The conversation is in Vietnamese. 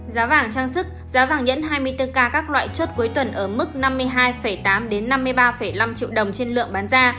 giá vàng trang sức giá vàng nhẫn hai mươi bốn k các loại chốt cuối tuần ở mức năm mươi hai tám năm mươi ba năm triệu đồng trên lượng bán ra